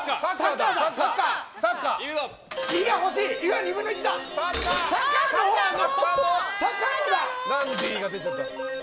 ダンディが出ちゃった。